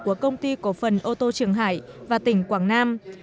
của công ty cổ phần ô tô trường hải và tỉnh quảng nam